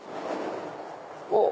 おっ！